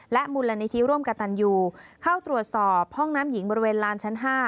มูลนิธิร่วมกับตันยูเข้าตรวจสอบห้องน้ำหญิงบริเวณลานชั้น๕